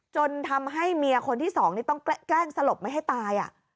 จนทำให้เมียคนที่สองนี่ต้องแกล้งสลบไม่ให้ตาย